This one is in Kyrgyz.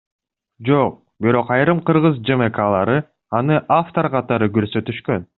Жок, бирок айрым кыргыз ЖМКлары аны автор катары көрсөтүшкөн.